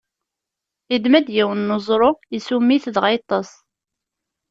Iddem-d yiwen n uẓru, issummet-it, dɣa yeṭṭeṣ.